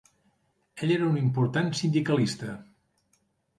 Ell era un important sindicalista.